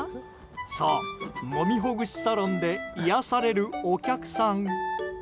そう、もみほぐしサロンで癒やされるお客さん。